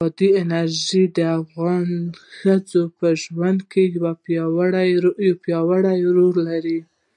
بادي انرژي د افغان ښځو په ژوند کې یو پیاوړی رول لري.